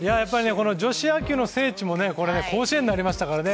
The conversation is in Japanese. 女子野球の聖地も甲子園になりましたからね。